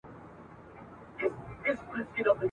اوس د کوه قاف له تُرابان سره به څه کوو..